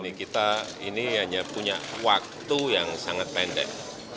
ini kita ini hanya punya waktu yang sangat pendek